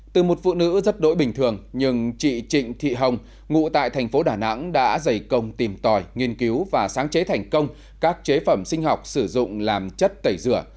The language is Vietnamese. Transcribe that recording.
từ một phụ nữ rất đổi bình thường nhưng chị trịnh thị hồng ngụ tại thành phố đà nẵng đã dày công tìm tòi nghiên cứu và sáng chế thành công các chế phẩm sinh học sử dụng làm chất tẩy rửa